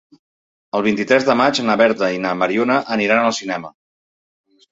El vint-i-tres de maig na Berta i na Mariona aniran al cinema.